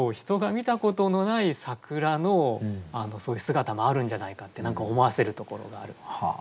人が見たことのない桜のそういう姿もあるんじゃないかって何か思わせるところがある。